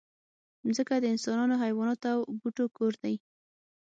مځکه د انسانانو، حیواناتو او بوټو کور دی.